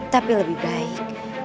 tapi lebih baik